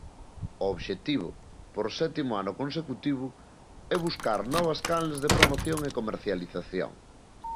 O obxectivo, por sétimo ano consecutivo, é buscar novas canles de promoción e comercialización.